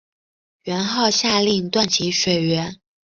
元昊下令断其水源。